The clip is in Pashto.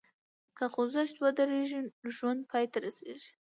که خوځښت ودریږي، ژوند پای ته رسېږي.